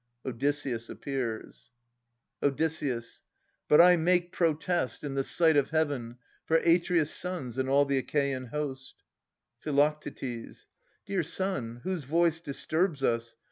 [Odysseus appears. Od. But I make protest, in the sight of Heaven, For Atreus' sons and all the Achaean host. Phi. Dear son, whose voice disturbs us